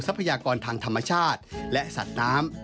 พยากรทางธรรมชาติและสัตว์น้ำ